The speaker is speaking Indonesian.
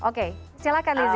oke silakan lizy